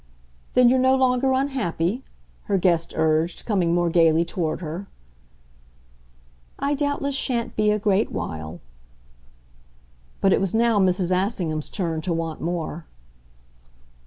"Then you're no longer unhappy?" her guest urged, coming more gaily toward her. "I doubtless shan't be a great while." But it was now Mrs. Assingham's turn to want more.